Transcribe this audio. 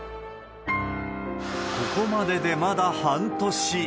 ここまででまだ半年。